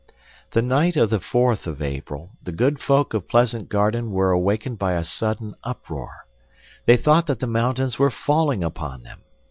The night of the fourth of April, the good folk of Pleasant Garden were awakened by a sudden uproar. They thought that the mountains were falling upon them.